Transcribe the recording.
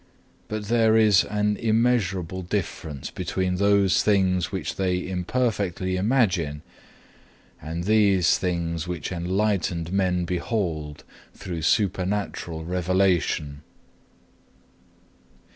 But there is an immeasurable difference between those things which they imperfectly imagine, and these things which enlightened men behold through supernatural revelation.